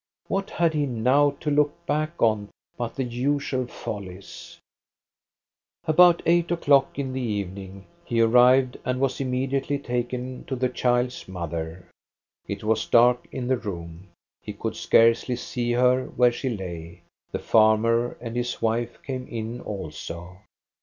What had he now to look back on but the usual follies ! About eight o'clock in the evening he arrived, and THE CHILD'S MOTHER 391 was immediately taken to the child's mother. It was dark in the room. He could scarcely see her where she lay. The farmer and his wife came in also.